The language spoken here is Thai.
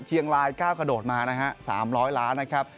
เชียงรายก้าวกระโดดมานะฮะ๓๐๐ล้านนะครับ